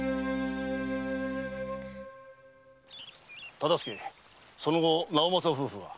忠相その後直正夫婦は？